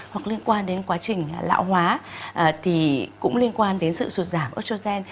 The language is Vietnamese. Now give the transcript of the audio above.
hoặc liên quan đến quá trình lão hóa thì cũng liên quan đến sự sụt giảm estrogen